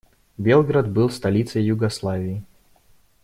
Белград был столицей Югославии.